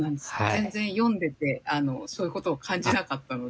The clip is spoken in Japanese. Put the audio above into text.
全然読んでてそういうことを感じなかったので。